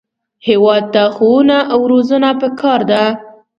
هېواد ته ښوونه او روزنه پکار ده